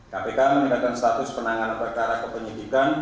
kpk meningkatkan status penanganan perkara kepenyidikan